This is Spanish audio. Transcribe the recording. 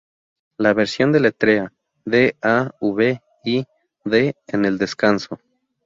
La versión deletrea D-A-V-I-D en el descanso.